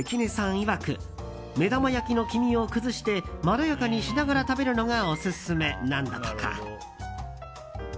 いわく目玉焼きの黄身を崩してまろやかにしながら食べるのがオススメなんだとか。